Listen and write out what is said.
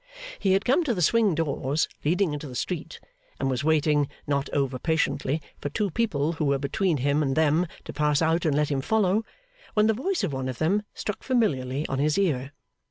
He had come to the swing doors leading into the street, and was waiting, not over patiently, for two people who were between him and them to pass out and let him follow, when the voice of one of them struck familiarly on his ear.